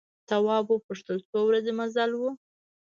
تواب وپوښتل څو ورځې مزل و.